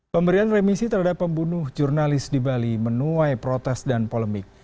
pemberian remisi terhadap pembunuh jurnalis di bali menuai protes dan polemik